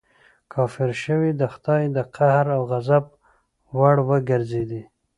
کافر شوې د خدای د قهر او غضب وړ وګرځېدې.